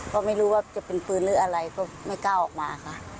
ก็ไม่รู้ว่าจะเป็นปืนหรืออะไรก็ไม่กล้าออกมาค่ะ